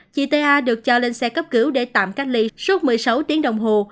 chị ta được cho lên xe cấp cứu để tạm cách ly suốt một mươi sáu tiếng đồng hồ